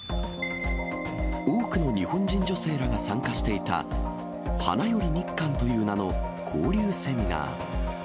多くの日本人女性らが参加していた、花より日韓という名の交流セミナー。